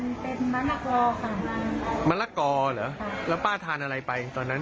มันเป็นมะละกอค่ะมะละกอเหรอค่ะแล้วป้าทานอะไรไปตอนนั้น